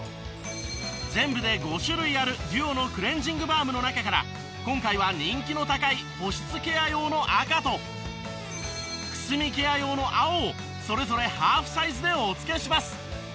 全部で５種類あるＤＵＯのクレンジングバームの中から今回は人気の高い保湿ケア用の赤とくすみケア用の青をそれぞれハーフサイズでお付けします。